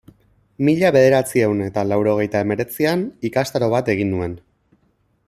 Mila bederatziehun eta laurogeita hemeretzian ikastaro bat egin nuen.